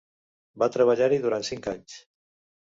Va treballar-hi durant cinc anys.